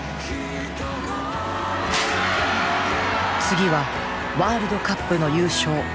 次はワールドカップの優勝